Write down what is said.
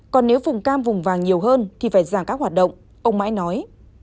còn nếu vùng cam vùng vàng nhiều hơn thì phải giảm các hoạt động ông mãi nói